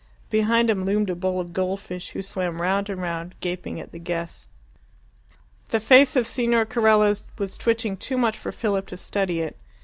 Behind him loomed a bowl of goldfish, who swam round and round, gaping at the guests. The face of Signor Carella was twitching too much for Philip to study it.